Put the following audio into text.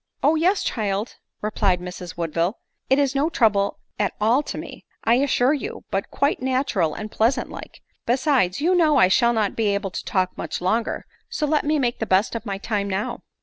9 i " O yes, child !" replied Mrs Woodville ; it is no I trouble at all to me, I assure you, but quite natural and pleasant like ; besides, you know I shall not be able to talk much longer, so let me make the best of my time l now.